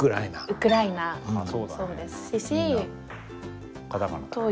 ウクライナもそうですし。